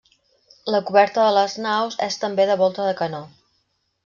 La coberta de les naus és també de volta de canó.